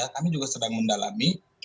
kami juga sedang mendalami